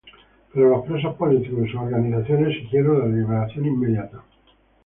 Pero los presos políticos y sus organizaciones, exigieron la liberación inmediata.